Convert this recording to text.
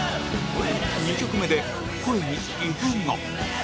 ２曲目で声に異変が